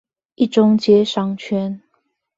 一中街商圈